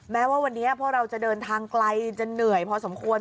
แม้ว่าวันนี้พวกเราจะเดินทางไกลจะเหนื่อยพอสมควร